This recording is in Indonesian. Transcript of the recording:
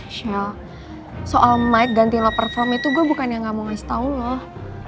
michelle soal mike gantiin lo perform itu gue bukan yang gak mau ngasih tau loh